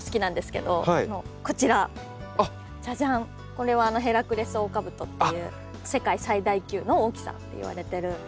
これは「ヘラクレスオオカブト」っていう世界最大級の大きさっていわれてる。